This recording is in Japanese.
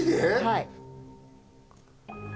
はい。